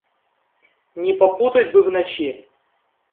Не попутать бы в ночи.